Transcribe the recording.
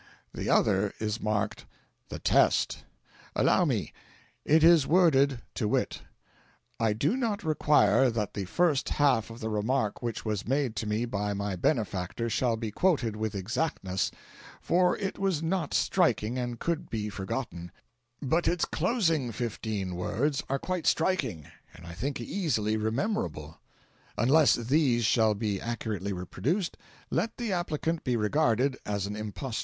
The other is marked 'THE TEST.' Allow me. It is worded to wit: "'I do not require that the first half of the remark which was made to me by my benefactor shall be quoted with exactness, for it was not striking, and could be forgotten; but its closing fifteen words are quite striking, and I think easily rememberable; unless THESE shall be accurately reproduced, let the applicant be regarded as an impostor.